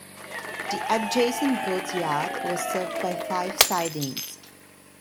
The adjacent goods yard was served by five sidings.